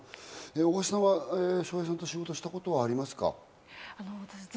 大橋さんは笑瓶さんと仕事したことありますか？